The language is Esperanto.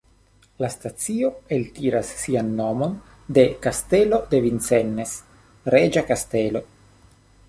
La stacio eltiras sian nomon de Kastelo de Vincennes, reĝa kastelo.